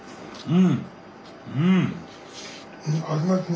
うん！